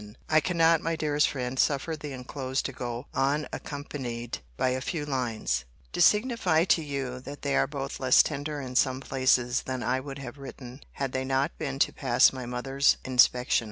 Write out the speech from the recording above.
I cannot, my dearest friend, suffer the enclosed to go unaccompanied by a few lines, to signify to you that they are both less tender in some places than I would have written, had they not been to pass my mother's inspection.